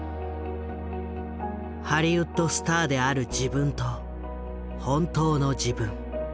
ハリウッドスターである自分と本当の自分。